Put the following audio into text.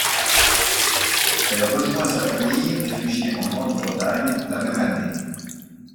Elle rejoint sa famille réfugiée en Grande-Bretagne la même année.